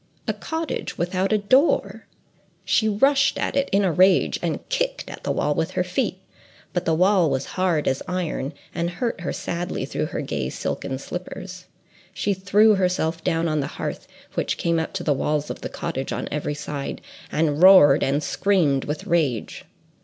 A cottage without a door!—she rushed at it in a rage and kicked at the wall with her feet. But the wall was hard as iron, and hurt her sadly through her gay silken slippers. She threw herself on the heath, which came up to the walls of the cottage on every side, and roared and screamed with rage.